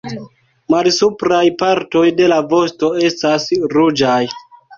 Malsupraj partoj de la vosto estas ruĝaj.